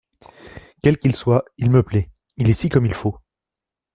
Quel qu’il soit, il me plaît ; il est si comme il faut !